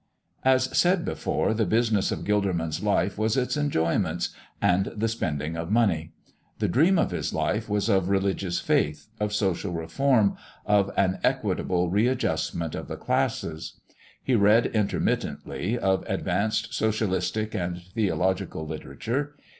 As said before, the business of Gilderman's life was its enjoyments and the spending of money; the dream of his life was of religious faith, of social reform, of an equitable readjustment of the classes. He read intermittently of advanced socialistic and theological literature.